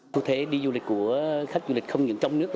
cụ thể đi du lịch của khách du lịch không những trong nước